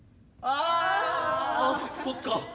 ああそっか。